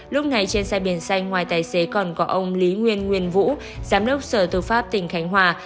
lúc này trên xe biển xanh ngoài tài xế còn có ông lý nguyên nguyên vũ giám đốc sở tư pháp tỉnh khánh hòa